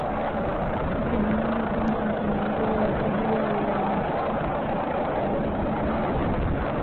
Tunaona kwamba mtemi huyu wa kabila la Wangindo aliamini